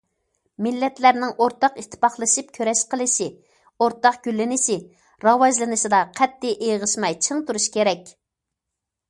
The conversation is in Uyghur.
مىللەتلەرنىڭ ئورتاق ئىتتىپاقلىشىپ كۈرەش قىلىشى، ئورتاق گۈللىنىشى، راۋاجلىنىشىدا قەتئىي ئېغىشماي چىڭ تۇرۇش كېرەك.